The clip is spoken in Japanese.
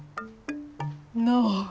ノー。